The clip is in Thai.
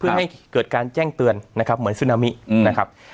เพื่อให้เกิดการแจ้งเตือนนะครับเหมือนซึนามินะครับ